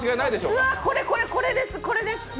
うわ、これこれ、これです！